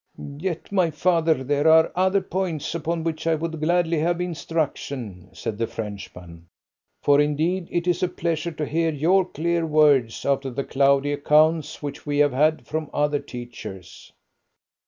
"Yet, my father, there are other points upon which I would gladly have instruction," said the Frenchman, "for, indeed, it is a pleasure to hear your clear words after the cloudy accounts which we have had from other teachers."